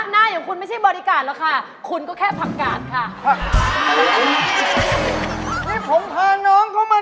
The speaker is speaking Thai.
นี่คุณมีอาธิบายพยาบาลรึเปล่าคะ